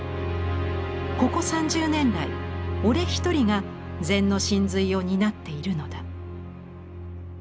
ここ三十年来俺一人が禅の神髄を担っているのだ」。